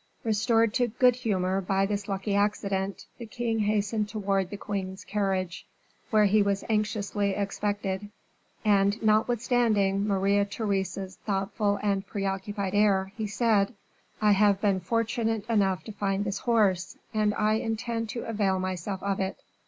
Restored to good humor by this lucky accident, the king hastened towards the queen's carriage, where he was anxiously expected; and notwithstanding Maria Theresa's thoughtful and preoccupied air, he said: "I have been fortunate enough to find this horse, and I intend to avail myself of it.